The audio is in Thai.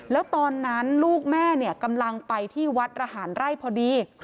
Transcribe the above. แล้วตอนนั้นลูกแม่กำลังไปที่วัดระหารไร่พอดี